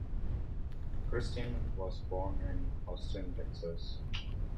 Christian was born in Austin, Texas.